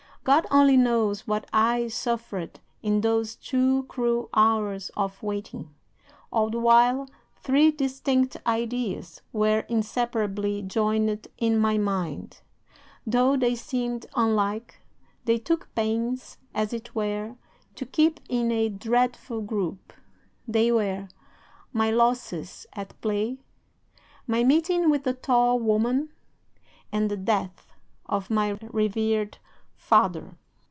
God only knows what I suffered in those two cruel hours of waiting. All the while, three distinct ideas were inseparably joined in my mind; though they seemed unlike, they took pains, as it were, to keep in a dreadful group. They were: my losses at play, my meeting with the tall woman, and the death of my revered father.